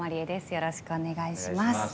よろしくお願いします。